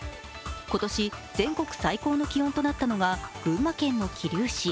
今年、全国最高の気温となったのが群馬県の桐生市。